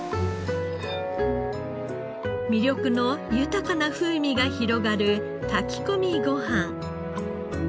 味緑の豊かな風味が広がる炊き込みご飯。